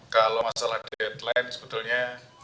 kalau masalah deadline sebetulnya